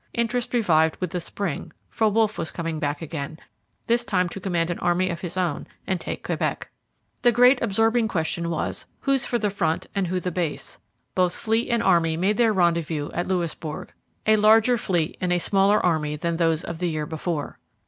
Interest revived with the spring; for Wolfe was coming back again, this time to command an army of his own and take Quebec. The great absorbing question was, Who's for the front and who for the base? Both fleet and army made their rendezvous at Louisbourg; a larger fleet and a smaller army than those of the year before.